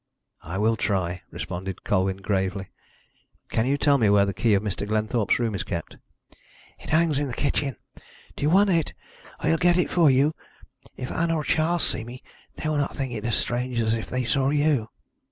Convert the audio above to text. "I will try," responded Colwyn, gravely. "Can you tell where the key of Mr. Glenthorpe's room is kept?" "It hangs in the kitchen. Do you want it? I will get it for you. If Ann or Charles see me, they, will not think it as strange as if they saw you."